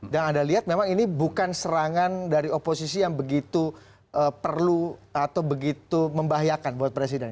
dan anda lihat memang ini bukan serangan dari oposisi yang begitu perlu atau begitu membahayakan buat presiden